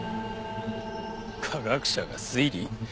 科学者が推理？